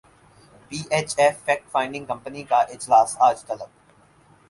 پی H F fact finding committee کا اجلاس اج طلب